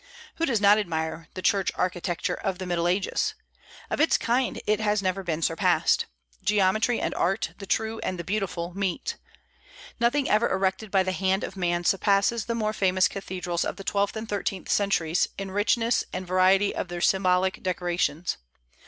Who does not admire the church architecture of the Middle Ages? Of its kind it has never been surpassed. Geometry and art the true and the beautiful meet. Nothing ever erected by the hand of man surpasses the more famous cathedrals of the twelfth and thirteenth centuries, in the richness and variety of their symbolic decorations.